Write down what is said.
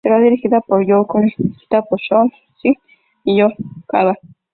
Será dirigida por Jo Young-kwang y escrita por Choi Soo-jin y Choi Chang-hwan.